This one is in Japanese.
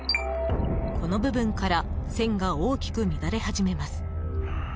この部分から線が大きく乱れ始めます。